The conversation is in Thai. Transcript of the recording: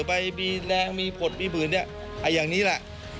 ไปมีแรงมีผลมีบื่นอย่างนี้ล่ะ